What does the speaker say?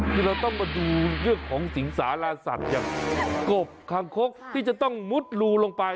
คือเราต้องมาดูเรื่องของสิงสาราสัตว์อย่างกบคางคกที่จะต้องมุดรูลงไป